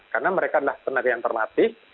karena mereka adalah tenaga yang relatif